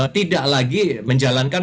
tidak lagi menjalankan